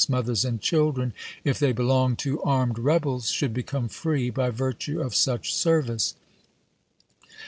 mothers, and children, if they belonged to armed rebels, should become free by virtue of such ser vice.